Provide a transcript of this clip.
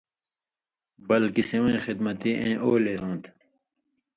بلکےۡ سِوَیں خِدمتی اېں اولے ہوں تھہ۔